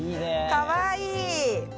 かわいい。